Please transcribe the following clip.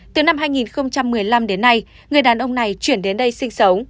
từ năm hai nghìn một mươi năm đến nay người đàn ông này chuyển đến đây sinh sống